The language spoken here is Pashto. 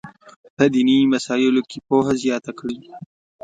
په دیني مسایلو کې پوهه زیاته کړي.